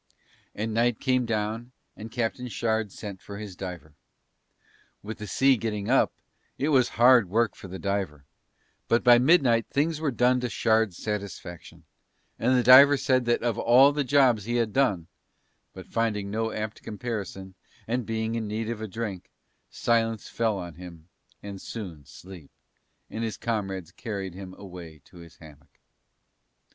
And night came down and Captain Shard sent for his diver. With the sea getting up it was hard work for the diver, but by midnight things were done to Shard's satisfaction, and the diver said that of all the jobs he had done but finding no apt comparison, and being in need of a drink, silence fell on him and soon sleep, and his comrades carried him away to his hammock.